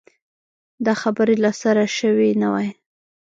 دا خبرې له سره شوې نه وای.